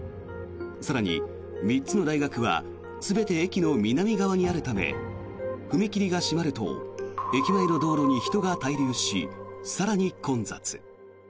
更に３つの大学は全て駅の南側にあるため踏切が閉まると駅前の道路に人が滞留し更に混雑。